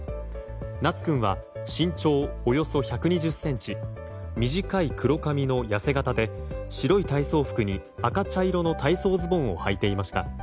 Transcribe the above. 名都君は身長およそ１２０ｃｍ短い黒髪の痩せ型で白い体操服に、赤茶色の体操ズボンをはいていました。